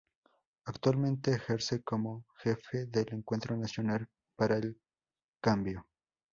Actualmente ejerce como jefe del Encuentro Nacional para el Cambio.